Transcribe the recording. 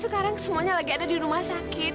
sekarang semuanya lagi ada di rumah sakit